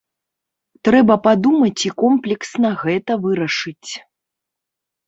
Трэба падумаць і комплексна гэта вырашыць.